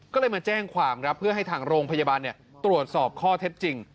ก็เลยมาแจ้งความครับเพื่อให้ทางโรงพยาบาลตรวจสอบข้อเท็จจริง